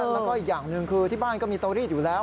แล้วก็อีกอย่างหนึ่งคือที่บ้านก็มีเตารีดอยู่แล้ว